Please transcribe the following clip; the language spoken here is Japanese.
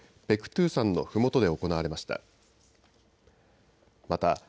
ペクトゥ山のふもとで行われました。